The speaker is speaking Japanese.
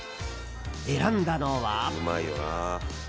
選んだのは。